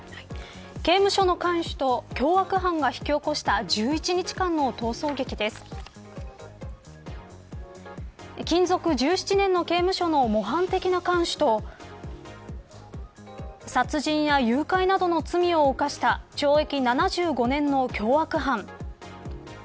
刑務所の看守と受刑者が引き起こした勤続１７年の刑務所の模範的看守と殺人や誘拐などの罪を犯した懲役７５年の凶悪犯。